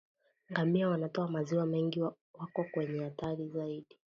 Ngamia wanaotoa maziwa mengi wako kwenye hatari zaidi